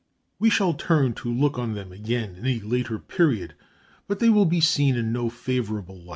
We shall turn to look on them again in a later period; but they will be seen in no favorable light.